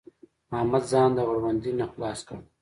احمد ځان د غړوندي نه خلاص کړ.